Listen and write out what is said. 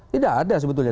tidak ada sebetulnya